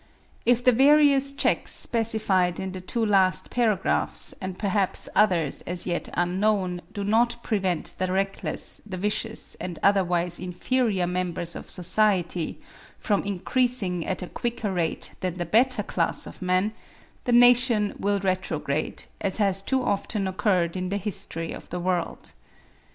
If the various checks specified in the two last paragraphs, and perhaps others as yet unknown, do not prevent the reckless, the vicious and otherwise inferior members of society from increasing at a quicker rate than the better class of men, the nation will retrograde, as has too often occurred in the history of the world.